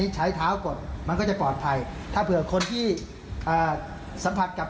ใช้เท้าใช้เท้าเหยียบ